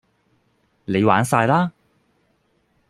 你玩曬啦